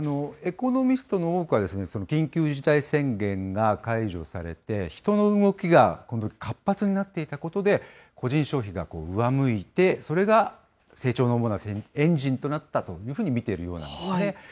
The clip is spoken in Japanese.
エコノミストの多くは、緊急事態宣言が解除されて、人の動きが今度、活発になっていたことで、個人消費が上向いて、それが成長の主なエンジンとなったというふうに見ているようなんですね。